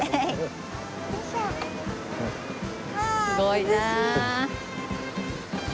すごいなあ。